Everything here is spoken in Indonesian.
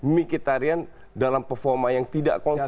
miki tarjan dalam performa yang tidak konsisten